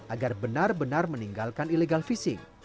agar benar benar meninggalkan ilegal visi